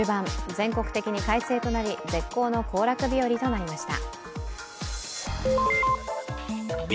全国的に快晴となり絶好の行楽日よりとなりました。